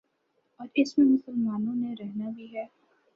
اور اس میں مسلمانوں نے رہنا بھی ہے۔